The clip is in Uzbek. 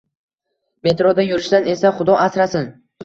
Metroda yurishdan esa xudo asrasin.